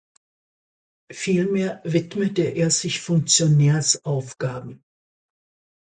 Vielmehr widmete er sich Funktionärsaufgaben.